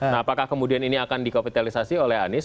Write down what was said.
nah apakah kemudian ini akan di capitalisasi oleh anies